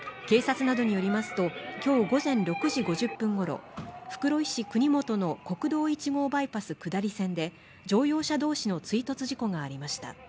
警察などによりますと今日午前６時５０分頃、袋井市国本の国道１号バイパス下り線で乗用車同士の追突事故がありました。